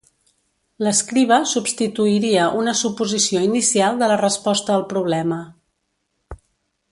L'escriba substituiria una suposició inicial de la resposta al problema.